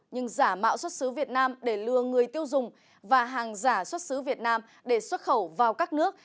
nhưng giả mạo xuất xứ việt nam để lừa người tiêu dùng và hàng giả xuất xứ việt nam để xuất khẩu vào các nước